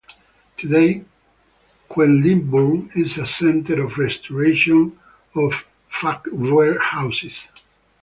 Today, Quedlinburg is a center of restoration of "Fachwerk" houses.